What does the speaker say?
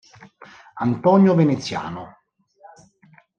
Antonio Veneziano